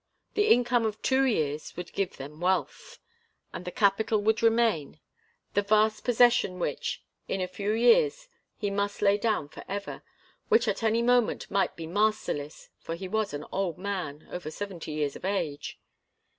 The income of two years would give them wealth. And the capital would remain the vast possession which in a few years he must lay down forever, which at any moment might be masterless, for he was an old man, over seventy years of age.